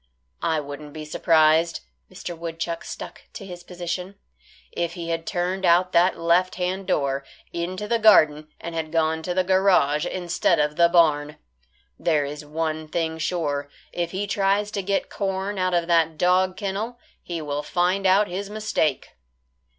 "I wouldn't be surprised," Mr. Woodchuck stuck to his position, "if he had turned out that left hand door, into the garden and had gone to the garage instead of the barn. There is one thing sure; if he tries to get corn out of that dog kennel, he will find out his mistake."